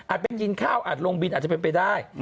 ไปกินข้าวอาจลงบินอาจจะเป็นไปได้